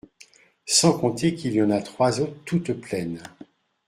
Sans compter qu’il y en a trois autres toutes pleines…